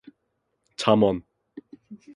잠언